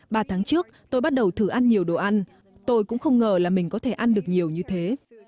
ba tháng trước tôi bắt đầu thử ăn nhiều đồ ăn tôi cũng không ngờ là mình có thể ăn được nhiều như thế